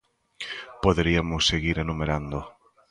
Poderiamos seguir enumerando.